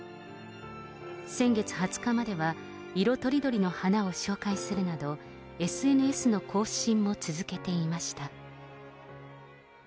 先月２０日までは色とりどりの花を紹介するなど、ＳＮＳの更新も続けていました。